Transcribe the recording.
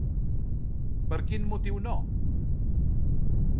Per quin motiu no?